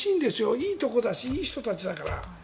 いいところだしいい人たちだから。